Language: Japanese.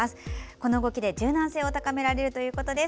この動きで柔軟性を高められるということです。